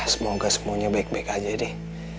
semoga semuanya baik baik aja deh